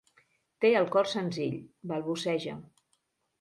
Té el cor senzill, balbuceja.